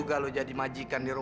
gak ada sekolah gitu